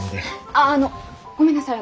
あああのごめんなさい